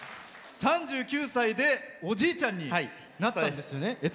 ３９歳で、おじいちゃんになったんですよね。